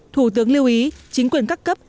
thủ tướng lưu ý chính quyền các cấp